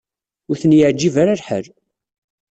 Ur ten-yeɛjib ara lḥal.